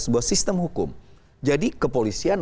sebuah sistem hukum jadi kepolisian